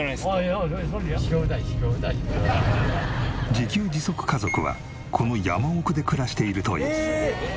自給自足家族はこの山奥で暮らしているという。